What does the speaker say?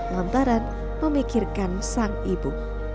lantaran memikirkan sang ibu